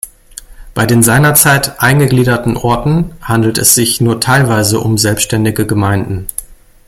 Bei den seinerzeit eingegliederten Orten handelt es sich nur teilweise um selbständige Gemeinden.